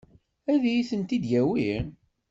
Ad iyi-tent-id-yawi?